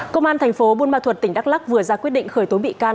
công an thành phố buôn ma thuật tỉnh đắk lắc vừa ra quyết định khởi tố bị can